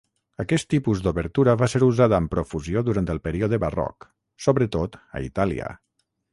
Aquest tipus d'obertura va ser usada amb profusió durant el període barroc, sobretot a Itàlia.